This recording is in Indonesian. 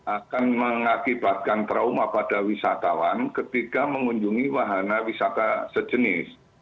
akan mengakibatkan trauma pada wisatawan ketika mengunjungi wahana wisata sejenis